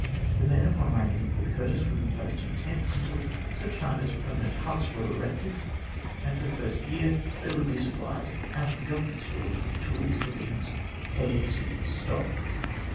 The men, upon landing at Port Curtis, would be placed in tents until such time as permanent huts were erected, and for the first year they would be supplied out of the Government stores with tools, provisions, clothing, seed, and stock.